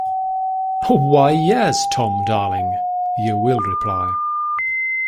'Why, yes, Tom, darling,' you will reply.